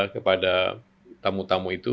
kepada tamu tamu itu